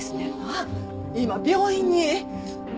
ああ今病院に。